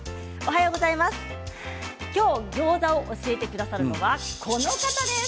今日ギョーザを教えてくださるのは、この方です。